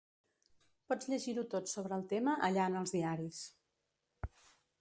Pots llegir-ho tot sobre el tema allà en els diaris.